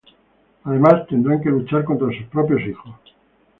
Además tendrán que luchar contra sus propios hijos.